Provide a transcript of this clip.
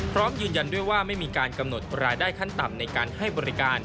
พร้อมยืนยันด้วยว่าไม่มีการกำหนดรายได้ขั้นต่ำในการให้บริการ